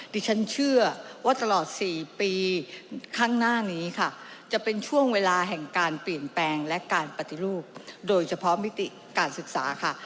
ดิฉันเชื่อว่าตลอด๔ปีข้างหน้านี้ค่ะจะเป็นช่วงเวลาแห่งการเปลี่ยนแปลงและการปฏิรูปโดยเฉพาะมิติการศึกษาค่ะ